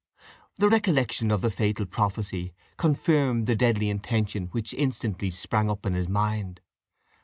The recollection of the fatal prophecy confirmed the deadly intention which instantly sprang up in his mind.